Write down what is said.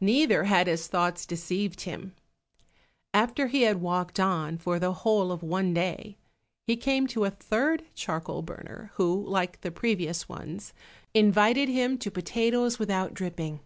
Neither had his thoughts deceived him. After he had walked on for the whole of one day, he came to a third charcoal burner, who like the previous ones, invited him to potatoes without dripping.